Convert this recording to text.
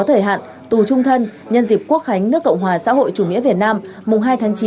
có thời hạn tù trung thân nhân dịp quốc khánh nước cộng hòa xã hội chủ nghĩa việt nam mùng hai tháng chín